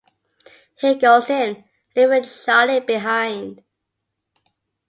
He goes in, leaving Charlie behind.